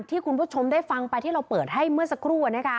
ที่คุณผู้ชมได้ฟังไปที่เราเปิดให้เมื่อสักครู่